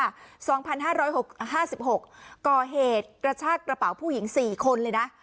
สองพันห้าร้อยหกห้าสิบหกก่อเหตุกระชากระเป๋าผู้หญิงสี่คนเลยนะ